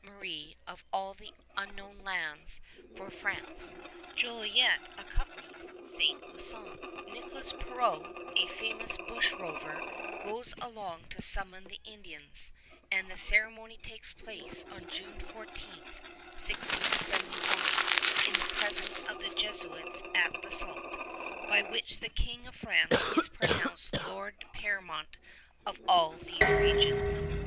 Marie of all these unknown lands for France. Jolliet accompanies St. Lusson. Nicholas Perrot, a famous bushrover, goes along to summon the Indians, and the ceremony takes place on June 14, 1671, in the presence of the Jesuits at the Sault, by which the King of France is pronounced lord paramount of all these regions.